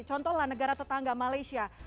contohlah negara tetangga malaysia